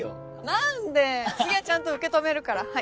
何で次はちゃんと受け止めるからはい。